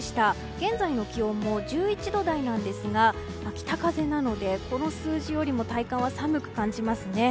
現在の気温も１１度台なんですが北風なのでこの数字よりも体感は寒く感じますね。